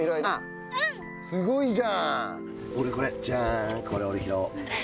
すごいじゃん！